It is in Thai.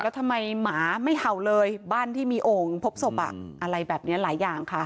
แล้วทำไมหมาไม่เห่าเลยบ้านที่มีโอ่งพบศพอะไรแบบนี้หลายอย่างค่ะ